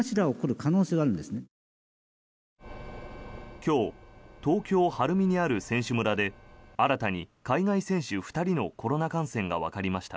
今日東京・晴海にある選手村で新たに海外選手２人のコロナ感染がわかりました。